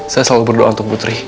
saya selalu berdoa untuk putri